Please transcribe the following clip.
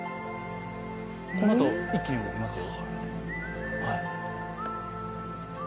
このあと一気に動きますよ。